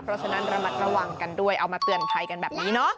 เพราะฉะนั้นระมัดระวังกันด้วยเอามาเตือนภัยกันแบบนี้เนาะ